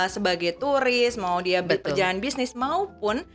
sebagai turis mau dia perjalanan bisnis maupun